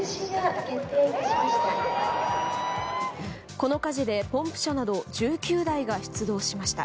この火事でポンプ車など１９台が出動しました。